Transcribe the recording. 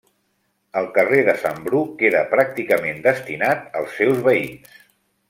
El carrer de Sant Bru queda pràcticament destinat als seus veïns.